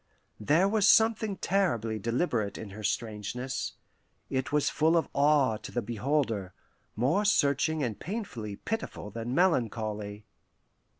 There was something terribly deliberate in her strangeness; it was full of awe to the beholder, more searching and painfully pitiful than melancholy.